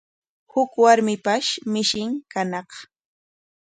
Huk warmipash mishin kañaq.